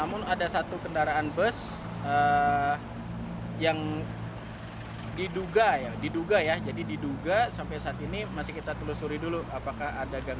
untuk kejadiannya korban